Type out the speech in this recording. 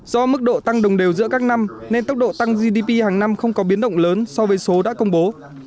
do mức độ tăng đồng đều giữa các năm nên tốc độ tăng gdp hàng năm không có biến động lớn so với số đã công bố